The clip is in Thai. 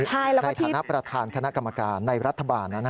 ในฐานะประธานคณะกรรมการในรัฐบาล